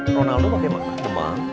ronaldo pakai bakar kebang